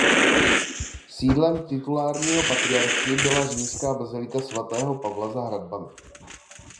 Sídlem titulárního patriarchy byla římská Bazilika svatého Pavla za hradbami.